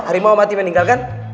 harimau mati meninggalkan